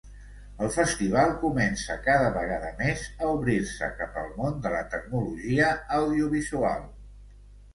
El festival comença cada vegada més a obrir-se cap al món de la tecnologia audiovisual.